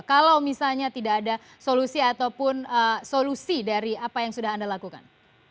kalau misalnya tidak ada solusi ataupun solusi dari apa yang sudah anda lakukan